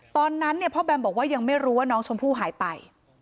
ตอนนั้นเนี่ยพ่อแบมบอกว่ายังไม่รู้ว่าน้องชมพู่หายไป